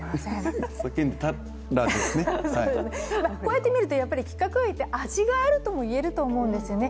こうやって見ると、規格外って味があるともいえると思うんですよね。